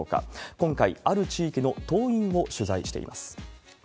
今回、ある地域の党員を取材しています。